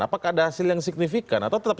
apakah ada hasil yang signifikan atau tetap